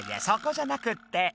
そこじゃなくって。